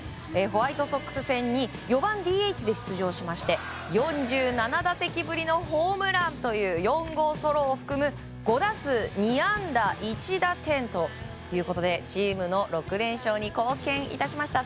ホワイトソックス戦に４番ＤＨで出場しまして４７打席ぶりのホームランという４号ソロを含む５打数２安打１打点ということでチームの６連勝に貢献致しました。